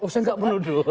saya tidak menuduh